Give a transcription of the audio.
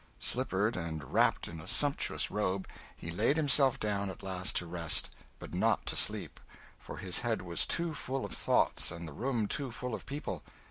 Slippered, and wrapped in a sumptuous robe, he laid himself down at last to rest, but not to sleep, for his head was too full of thoughts and the room too full of people.